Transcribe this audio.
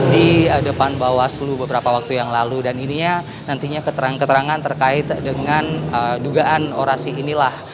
di depan bawaslu beberapa waktu yang lalu dan ininya nantinya keterangan keterangan terkait dengan dugaan orasi inilah